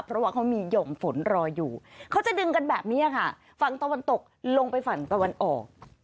เพราะว่าเขามีห่อมฝนรออยู่เขาจะดึงกันแบบนี้ค่ะฝั่งตะวันตกลงไปฝั่งตะวันออก